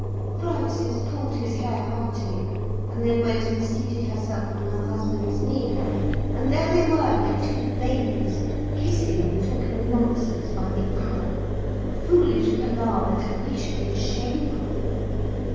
Frances pulled his hair heartily, and then went and seated herself on her husband's knee, and there they were, like two babies, kissing and talking nonsense by the hour—foolish palaver that we should be ashamed of.